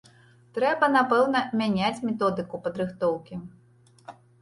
Трэба, напэўна, мяняць методыку падрыхтоўкі.